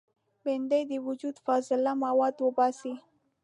بېنډۍ د وجود فاضله مواد وباسي